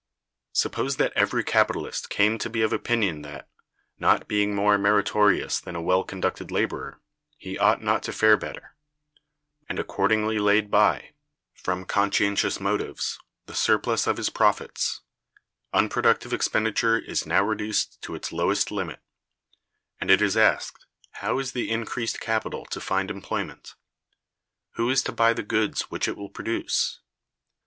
Suppose that every capitalist came to be of opinion that, not being more meritorious than a well conducted laborer, he ought not to fare better; and accordingly laid by, from conscientious motives, the surplus of his profits; unproductive expenditure is now reduced to its lowest limit: and it is asked, How is the increased capital to find employment? Who is to buy the goods which it will produce?